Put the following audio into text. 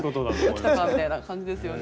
おおきたかみたいな感じですよね。